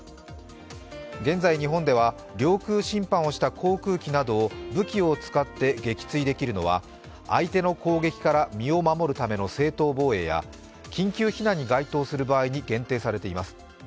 現在、日本では領空侵犯をした航空機などを武器を使って撃墜できるのは相手の攻撃から身を守るための正当防衛や緊急避難に該当する場合に限定されています。